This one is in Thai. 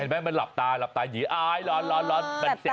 เห็นไหมมันหลับตาหลับตาหญิงอายร้อน